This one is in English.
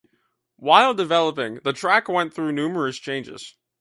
While developing, the track went through numerous changes.